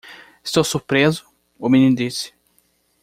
"Estou surpreso?" o menino disse.